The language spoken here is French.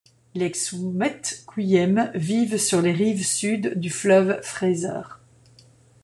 Les Xwméthkwyiem vivent sur les rives sud du Fleuve Fraser.